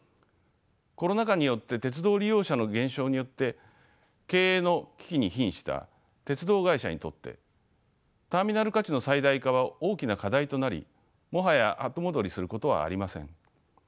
コロナ禍によって鉄道利用者の減少によって経営の危機にひんした鉄道会社にとってターミナル価値の最大化は大きな課題となりもはや後戻りすることはありません。